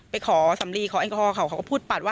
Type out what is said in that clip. ไปขอสำลีขอแอลกอฮอลเขาเขาก็พูดปัดว่า